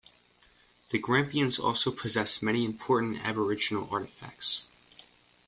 The Grampians also possess many important Aboriginal artifacts.